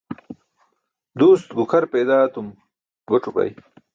Duust gukʰar peydaa etum goc̣o bay